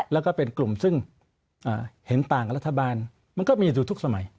แล้วก็เป็นกลุ่มซึ่งเห็นต่างกับรัฐบาลมันก็มีอยู่ทุกสมัย